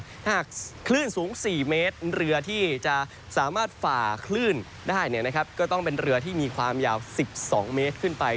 ถ้าหากคลื่นสูง๔เมตรเรือที่จะสามารถฝ่าคลื่นได้ก็ต้องเป็นเรือที่มีความยาว๑๒เมตรขึ้นไป